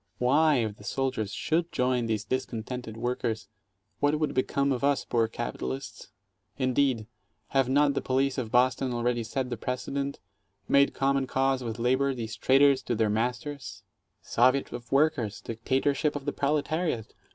Why, if the soldiers should join these discon tented workers, what would become of us poor capitalists? Indeed, have not the police of Boston already set the precedent — made common cause with labor, these traitors to their masters! "Soviet of Workers," dictatorship of the Proletariat"!